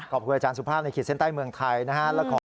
ขอบคุณอาจารย์สุภาพในขีดเส้นใต้เมืองไทยนะฮะ